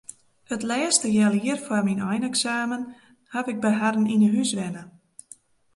It lêste healjier foar myn eineksamen haw ik by harren yn 'e hûs wenne.